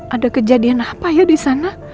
ada kejadian apa ya di sana